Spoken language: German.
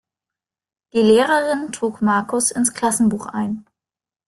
Die Lehrerin trug Markus ins Klassenbuch ein.